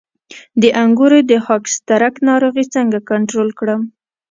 د انګورو د خاکسترک ناروغي څنګه کنټرول کړم؟